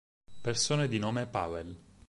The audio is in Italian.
Persone di nome Paweł